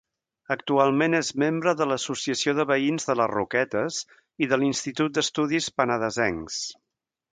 Actualment és membre de l'associació de veïns de les Roquetes i de l'Institut d'Estudis Penedesencs.